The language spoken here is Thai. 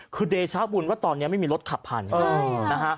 คือเดชาปุ่นว่าตอนนี้ไม่มีรถขับพันธุ์นะฮะ